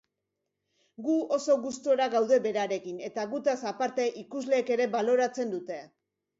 Gu oso gustora gaude berarekin eta gutaz aparte ikusleek ere baloratzen dute.